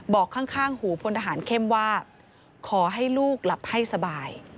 บอกข้างหูพลทหารเข้มว่าขอให้ลูกหลับให้สบาย